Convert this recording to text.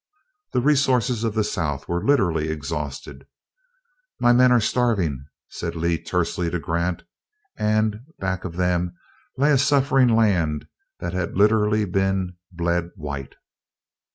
The resources of the South were literally exhausted. "My men are starving," said Lee tersely to Grant; and back of them lay a suffering land that had literally been "bled white."